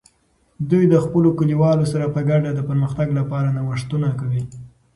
دوی د خپلو کلیوالو سره په ګډه د پرمختګ لپاره نوښتونه کوي.